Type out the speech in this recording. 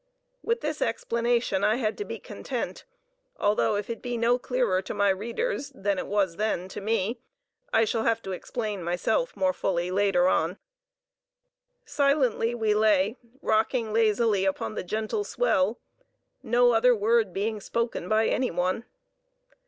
With this explanation I had to be content, although if it be no clearer to my readers than it then was to me, I shall have to explain myself more fully later on. Silently we lay, rocking lazily upon the gentle swell, no other word being spoken by any one.